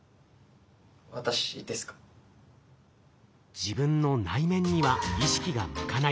自分の内面には意識が向かない。